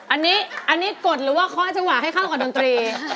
อันนี้กฎหรือว่าข้ออธิวะให้เข้าก่อนดนตรี